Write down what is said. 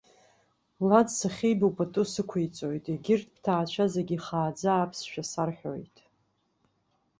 Лад сахьибо пату сықәиҵоит, егьырҭ бҭаацәа зегьы ихааӡа аԥсшәа сарҳәауеит.